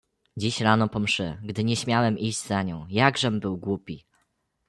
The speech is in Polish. "Dziś rano po mszy, gdy nieśmiałem iść za nią, jakżem był głupi!..."